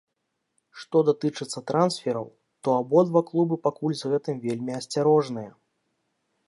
Што датычыцца трансфераў, то абодва клубы пакуль з гэтым вельмі асцярожныя.